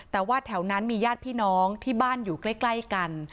แต่ว่าแถวนั้นมีญาติพี่น้องที่บ้านอยู่ใกล้กัน